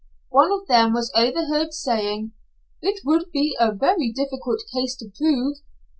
One of them was overheard saying, "It would be a very difficult case to prove."